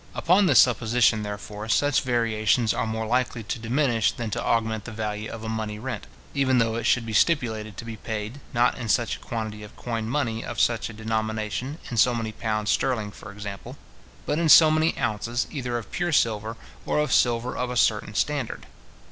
Upon this supposition, therefore, such variations are more likely to diminish than to augment the value of a money rent, even though it should be stipulated to be paid, not in such a quantity of coined money of such a denomination (in so many pounds sterling, for example), but in so many ounces, either of pure silver, or of silver of a certain standard.